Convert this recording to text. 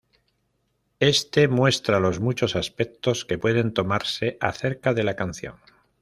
Este muestra los muchos aspectos que pueden tomarse acerca de la canción.